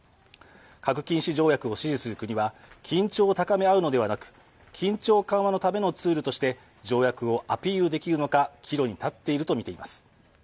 核禁止条約を支持する国は緊張を高め合うのではなく緊張緩和のためのツールとして条約をアピールできるのか岐路に立っていると見ています。